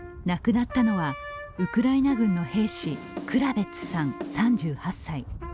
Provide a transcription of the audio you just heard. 亡くなったのはウクライナ軍の兵士、クラベッツさん３８歳。